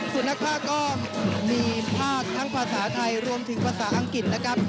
ส่วนนักภาคก็มีภาคทั้งภาษาไทยรวมถึงภาษาอังกฤษนะครับ